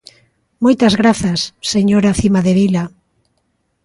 Moitas grazas, señora Cimadevila.